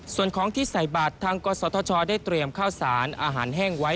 ส่วนของที่ใส่บัตรทางกศธชได้เตรียมข้าวสารอาหารแห้งไว้